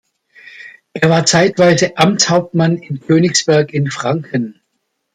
Er war zeitweise Amtshauptmann in Königsberg in Franken.